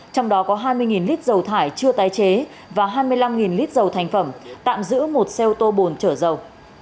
trong đó có hai mươi lít dầu thải chưa tái chế và hai mươi năm lít dầu thành phẩm tạm giữ một xe ô tô bồn chở dầu